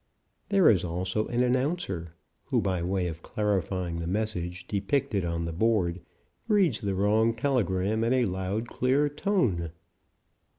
There is also an announcer, who, by way of clarifying the message depicted on the board, reads the wrong telegram in a loud, clear tone.